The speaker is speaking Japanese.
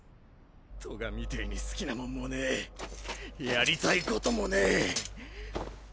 トガみてえに好きなもんもねぇやりたい事もねぇ。